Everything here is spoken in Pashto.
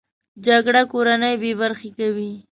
جګړه کورنۍ بې برخې کوي